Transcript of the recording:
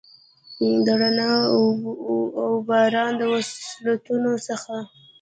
د رڼا اوباران، د وصلتونو څخه،